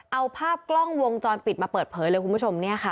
เอาภาพกล้องวงจรปิดมาเปิดเผยเลยคุณผู้ชมเนี่ยค่ะ